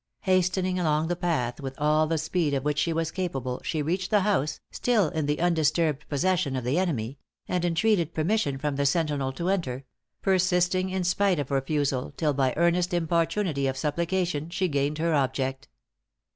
Hastening along the path with all the speed of which she was capable, she reached the house, still in the undisturbed possession of the enemy; and entreated permission from the sentinel to enter; persisting, in spite of refusal, till by earnest importunity of supplication, she gained her object.